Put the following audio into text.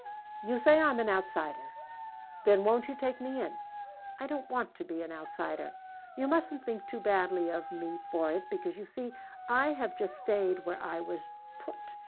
"You say I'm an outsider. Then won't you take me in? I don't want to be an outsider. You mustn't think too badly of me for it because you see I have just stayed where I was put.